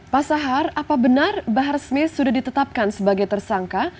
pasahar apa benar bahar smith sudah ditetapkan sebagai tersangka